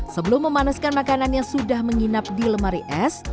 sebelum memanaskan makanan yang sudah menginap di lemari es